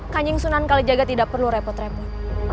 kanjeng sunan kalijaga tidak perlu repot repot